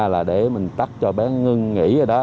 là để mình tắt cho bé ngưng nghỉ ở đó